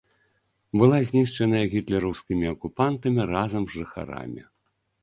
Была знішчаная гітлераўскімі акупантамі разам з жыхарамі.